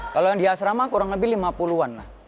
kalau yang di asrama kurang lebih lima puluh an lah